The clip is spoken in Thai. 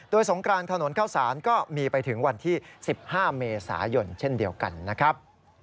สงกรานถนนเข้าสารก็มีไปถึงวันที่๑๕เมษายนเช่นเดียวกันนะครับ